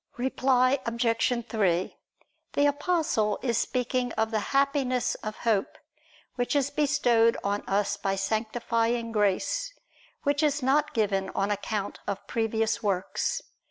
Reply Obj. 3: The Apostle is speaking of the Happiness of Hope, which is bestowed on us by sanctifying grace, which is not given on account of previous works.